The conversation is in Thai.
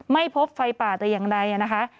ไม่พบไฟป่าแต่อย่างใดนะคะ